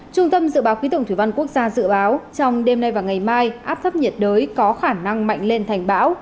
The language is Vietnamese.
trung tâm dự báo khí tượng thủy văn quốc gia dự báo trong đêm nay và ngày mai áp thấp nhiệt đới có khả năng mạnh lên thành bão